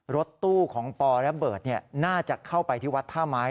รถตู้ของปอระเบิดน่าจะเข้าไปที่วัดท่าไม้